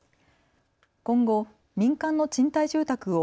今後、民間の賃貸住宅を